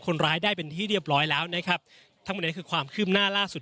คนร้ายได้เป็นที่เรียบร้อยแล้วนะครับทั้งหมดนี้คือความคืบหน้าล่าสุด